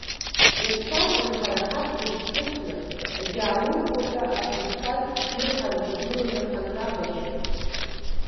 Иацы акәын ҳара ҳабџьар шьҭыхны агьааурқәа ҳәа аҳәынҭқар ир ҳарҿагыланы ҳанрабашьуаз.